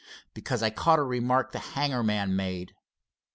"Because I caught a remark the hangar man made."